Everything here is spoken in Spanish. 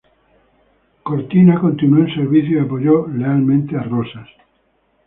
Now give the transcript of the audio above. Cortina continuó en servicio y apoyó lealmente a Rosas.